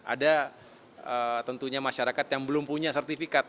ada tentunya masyarakat yang belum punya sertifikat